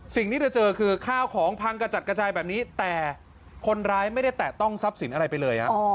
สิ่งที่เธอเจอคือข้าวของพังกระจัดกระจายแบบนี้แต่คนร้ายไม่ได้แตะต้องทรัพย์สินอะไรไปเลย